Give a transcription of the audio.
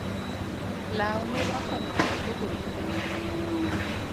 Law mirwako no ok ogoli maber